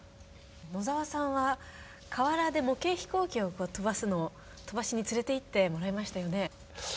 野澤さんは河原で模型飛行機を飛ばすのを飛ばしに連れていってもらいましたよね。